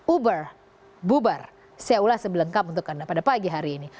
uber bubar saya ulas sebelengkap untuk anda pada pagi hari ini